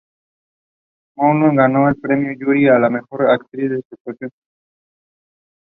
Mulholland ganó el Premio Jury a la mejor actriz por su actuación.